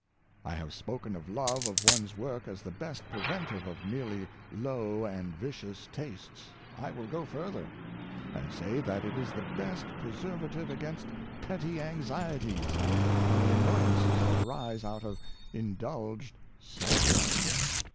I have spoken of love of one's work as the best preventive of merely low and vic ious tastes. I will go further, and say that it is the best preservative against petty anxieties, and the annoyances that arise out of indulged self love.